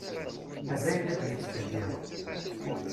A dayen ad yettfeggiḍ.